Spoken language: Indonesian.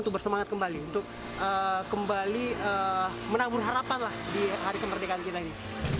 untuk bersemangat kembali untuk kembali menabur harapan lah di hari kemerdekaan kita ini